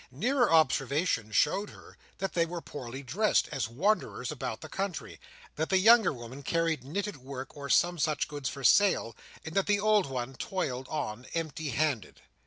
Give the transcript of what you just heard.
Nearer observation showed her that they were poorly dressed, as wanderers about the country; that the younger woman carried knitted work or some such goods for sale; and that the old one toiled on empty handed.